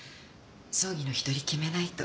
葬儀の日取り決めないと。